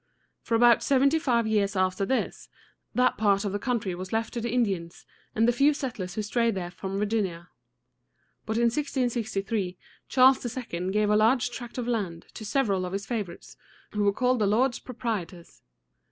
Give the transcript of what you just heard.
For about seventy five years after this, that part of the country was left to the Indians and the few settlers who strayed there from Virginia. But in 1663 Charles II. gave a large tract of land to several of his favorites, who were called the lords proprietors.